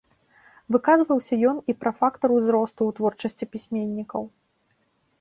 Выказваўся ён і пра фактар узросту ў творчасці пісьменнікаў.